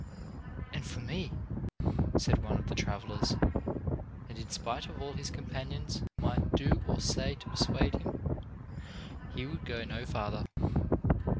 "And for me," said one of the travelers; and in spite of all his companions might do or say to persuade him, he would go no farther.